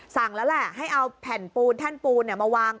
สั่งแล้วแหละให้เอาแผ่นปูนแท่นปูนมาวาง